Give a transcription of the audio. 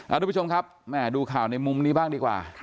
ทุกผู้ชมครับแม่ดูข่าวในมุมนี้บ้างดีกว่า